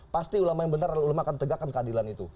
pasti ulama yang benar dan ulama akan tegakkan keadilan itu